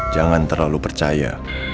jangan terlalu percaya